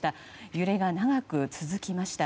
揺れが長く続きました。